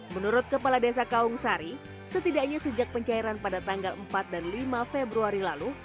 menurut kepala desa kaungsari setidaknya sejak pencairan pada tanggal empat dan lima februari lalu